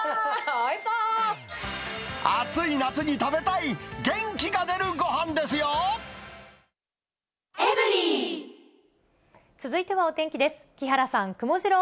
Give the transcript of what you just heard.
暑い夏に食べたい、元気が出続いてはお天気です。